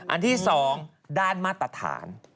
อันที่๒ด้านมาตรฐาน